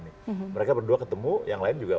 nih mereka berdua ketemu yang lain juga